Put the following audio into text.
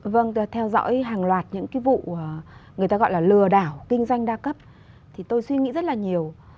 vâng theo dõi hàng loạt những cái vụ người ta gọi là lừa đảo kinh doanh đa cấp thì tôi suy nghĩ rất là nhiều